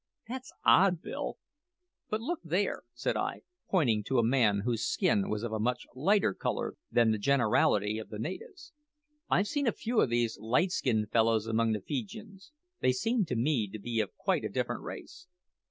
"That's odd, Bill. But look there," said I, pointing to a man whose skin was of a much lighter colour than the generality of the natives. "I've seen a few of these light skinned fellows among the Feejeeans. They seem to me to be of quite a different race."